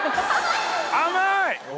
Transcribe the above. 甘い！